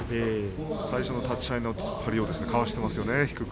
最初の立ち合いの突っ張りをかわしていますよね、低く。